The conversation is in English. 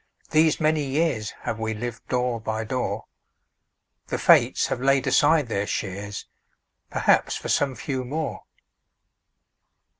These many years Have we lived door by door; The fates have laid aside their shears Perhaps for some few more.